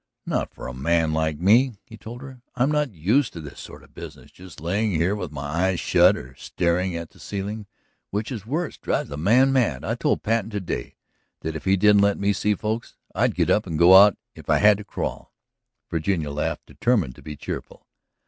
"Not for a man like me," he told her. "I'm not used to this sort of business. Just lying here with my eyes shut or staring at the ceiling, which is worse, drives a man mad. I told Patten to day that if he didn't let me see folks I'd get up and go out if I had to crawl." Virginia laughed, determined to be cheerful.